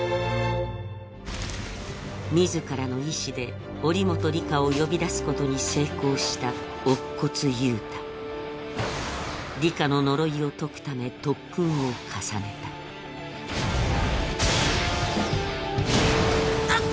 自らの意思で祈本里香を呼び出すことに成功した乙骨憂太里香の呪いを解くため特訓を重ねたドォン！